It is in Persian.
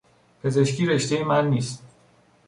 پزشکی رشتهی من نیست.